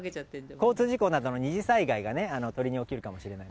交通事故などの二次災害が鳥に起きるかもしれない。